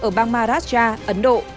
ở bangma raja ấn độ